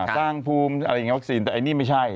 สร้างภูมิอะไรอย่างนี้วัคซีนแต่อันนี้ไม่ใช่